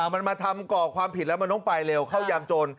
มันมาทำก่อความผิดแล้วมันต้องไปเร็วเข้ายามโจร